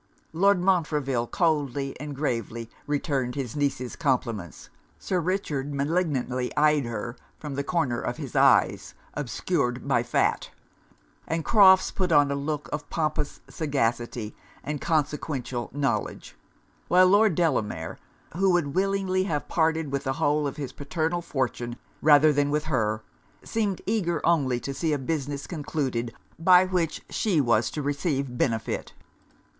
Lord Montreville coldly and gravely returned his niece's compliments; Sir Richard malignantly eyed her from the corners of his eyes, obscured by fat; and Crofts put on a look of pompous sagacity and consequential knowledge; while Lord Delamere, who would willingly have parted with the whole of his paternal fortune rather than with her, seemed eager only to see a business concluded by which she was to receive benefit.